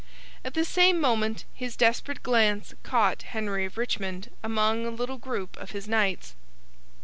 At the same moment, his desperate glance caught Henry of Richmond among a little group of his knights.